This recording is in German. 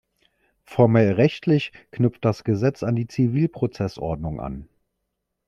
Formell-rechtlich knüpft das Gesetz an die Zivilprozessordnung an.